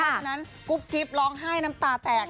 เพราะฉะนั้นกุ๊บกิ๊บร้องไห้น้ำตาแตก